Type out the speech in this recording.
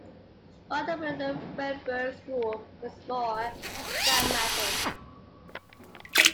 The ordoliberal Freiburg School was more pragmatic.